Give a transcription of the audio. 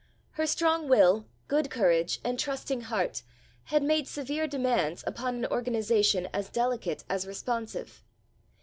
Her strong will, good courage, and trusting heart, had made severe demands upon an organization as delicate as responsive.